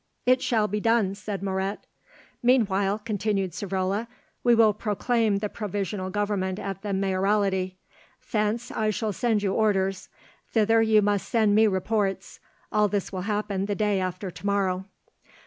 "It shall be done," said Moret. "Meanwhile," continued Savrola, "we will proclaim the Provisional Government at the Mayoralty. Thence I shall send you orders; thither you must send me reports. All this will happen the day after to morrow."